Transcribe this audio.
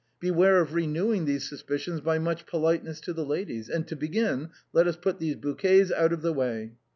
Beware of renewing these suspicions by much politeness to the ladies; and to begin, let us put these bouquets out of the way."